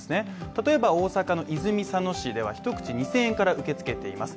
例えば大阪の泉佐野市では一口２０００円から受け付けています。